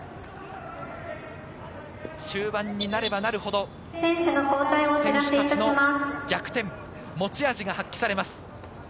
終盤になればなるほど選手たちの逆転、持ち味が発揮されます。